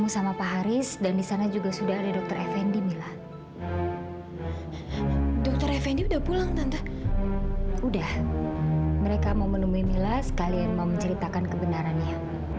sampai jumpa di video selanjutnya